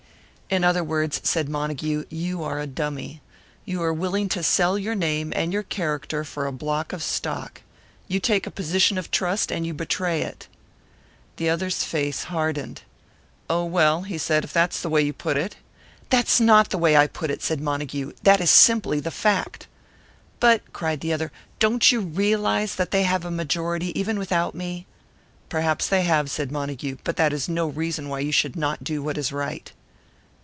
"In other words," said Montague, "you are a dummy. You are willing to sell your name and your character for a block of stock. You take a position of trust, and you betray it." The other's face hardened. "Oh, well," he said, "if that's the way you put it " "That's not the way I put it!" said Montague. "That is simply the fact." "But," cried the other, "don't you realise that they have a majority, even without me?" "Perhaps they have," said Montague; "but that is no reason why you should not do what is right."